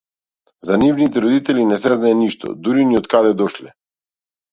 За нивните родители не се знае ништо, дури ни од каде дошле.